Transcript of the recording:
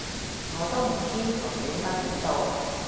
我都唔知我哋應該點做